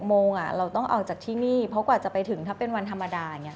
โมงเราต้องออกจากที่นี่เพราะกว่าจะไปถึงถ้าเป็นวันธรรมดาเนี่ย